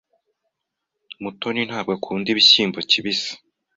Mutoni ntabwo akunda ibishyimbo kibisi.